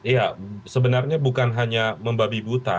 ya sebenarnya bukan hanya membabi buta